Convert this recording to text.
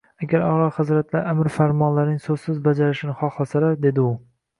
— Agar a’lo hazratlari amr-farmonlarining so‘zsiz bajarilishini xohlasalar, — dedi u